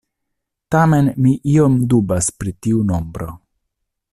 Tamen mi iom dubas pri tiu nombro.